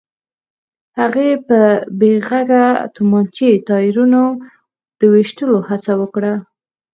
هغې په بې غږه تومانچې د ټايرونو د ويشتلو هڅه وکړه.